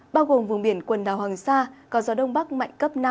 bao gồm vùng biển quần đảo hoàng sa có gió đông bắc mạnh cấp năm